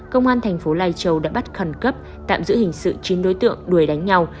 công an tỉnh lai châu đã bắt khẩn cấp tạm giữ hình sự chín đối tượng đuổi đánh nhau